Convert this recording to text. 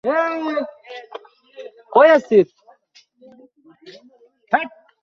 Saudi আরব এবং মধ্যপ্রাচ্যের বিভিন্ন দেশ থেকে দেদার অর্থ পাচ্ছে তারা।